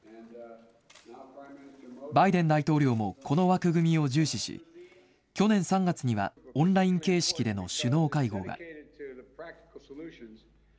バイデン大統領もこの枠組みを重視し、去年３月にはオンライン形式での首脳会合が。